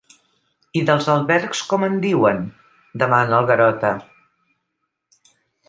I dels albergs com en diuen? —demana el Garota.